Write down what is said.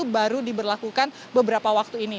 baru diberlakukan beberapa waktu ini